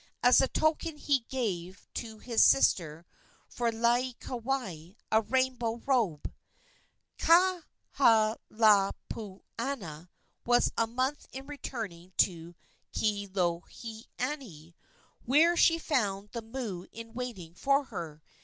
As a token he gave to his sister for Laieikawai a rainbow robe. Kahalaomapuana was a month in returning to Kealohilani, where she found the moo in waiting for her.